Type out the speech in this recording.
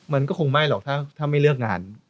มันก็คงไม่หรอกถ้าไม่เลือกงาน